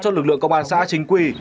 cho lực lượng công an xã chính quy